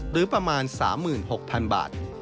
หรือประมาณ๓๖๐๐๐บาท